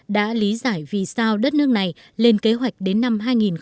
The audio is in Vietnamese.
đã lý giải vì sao đất nước này lên kế hoạch đến năm hai nghìn hai mươi